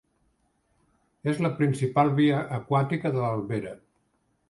És la principal via aquàtica de l'Albera.